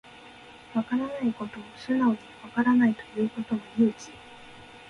わからないことを素直にわからないと言うことも勇気